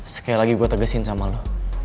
sekali lagi gua tegasin sama lu